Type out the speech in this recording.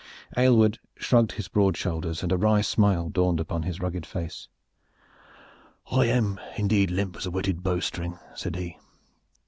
Aylward shrugged his broad shoulders, and a wry smile dawned upon his rugged face. "I am indeed as limp as a wetted bowstring," said he.